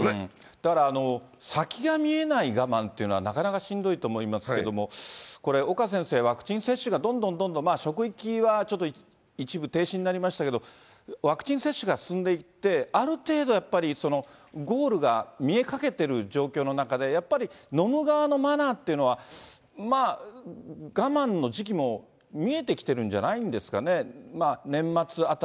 だから先が見えない我慢っていうのはなかなかしんどいと思いますけれども、これ、岡先生、ワクチン接種がどんどんどんどん、職域はちょっと一部停止になりましたけれども、ワクチン接種が進んでいって、ある程度やっぱりゴールが見えかけている状況の中で、やっぱり飲む側のマナーっていうのは、まあ、我慢の時期も見えてきてるんじゃないんですかね。